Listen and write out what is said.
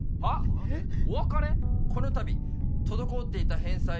「この度滞っていた返済を」